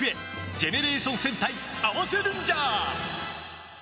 ジェネレーション戦隊合わせルンジャー！